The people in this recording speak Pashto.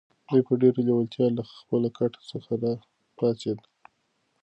دی په ډېرې لېوالتیا له خپل کټ څخه را پاڅېد.